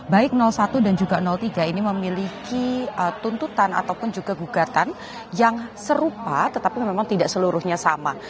baik satu dan juga tiga ini memiliki tuntutan ataupun juga gugatan yang serupa tetapi memang tidak seluruhnya sama